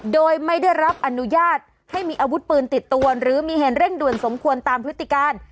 โดยไม่ได้รับอนุญาตให้มีอาวุธปืนติดตัวหรือมีเหตุเร่งด่วนสมควรตามพฤติการ